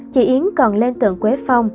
chị yến còn lên tượng quế phong